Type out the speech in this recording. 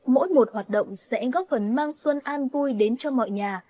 mỗi một hoạt động sẽ góp phần mang xuân an vui đến cho mọi nhà